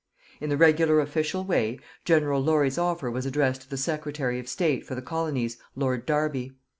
In the regular official way, General Laurie's offer was addressed to the Secretary of State for the Colonies, Lord Derby.